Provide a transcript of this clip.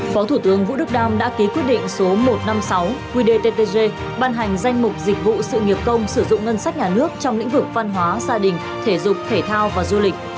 phó thủ tướng vũ đức đam đã ký quyết định số một trăm năm mươi sáu qdttg ban hành danh mục dịch vụ sự nghiệp công sử dụng ngân sách nhà nước trong lĩnh vực văn hóa gia đình thể dục thể thao và du lịch